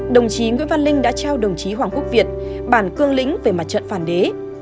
đồng chí nguyễn văn linh đã trao đồng chí hoàng quốc việt bản cương lĩnh về mặt trận phản đế